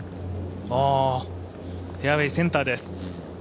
フェアウェーセンターです。